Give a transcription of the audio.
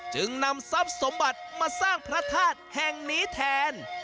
จึงนำทรัพย์สมบัติมาสร้างพระธาตุแห่งนี้แทน